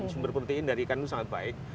sumber protein dari ikan itu sangat baik